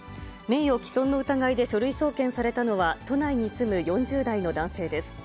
名誉毀損の疑いで書類送検されたのは都内に住む４０代の男性です。